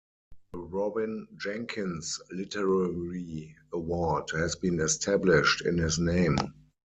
The Robin Jenkins Literary Award has been established in his name.